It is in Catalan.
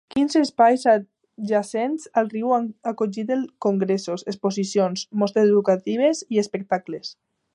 Quinze espais adjacents al riu han acollit els congressos, exposicions, mostres educatives i espectacles.